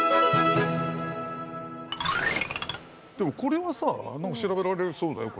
でもこれはさ調べられそうだよ。